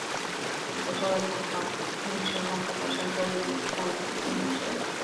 El Pozo de San Juan funciona como centro de visitantes y museo.